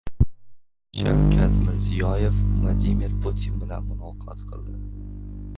Shavkat Mirziyoyev Vladimir Putin bilan muloqot qildi